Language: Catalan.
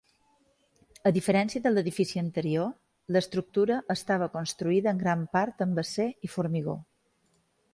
A diferència de l'edifici anterior, l'estructura estava construïda en gran part amb acer i formigó.